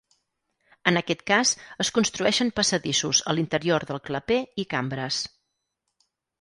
En aquest cas es construeixen passadissos a l'interior del claper i cambres.